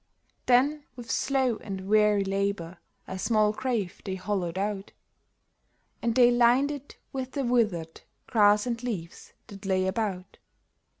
Then with slow and weary labor a small grave they hollowed out, And they lined it with the withered grass and leaves that lay about.